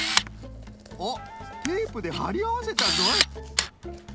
おっテープではりあわせたぞい！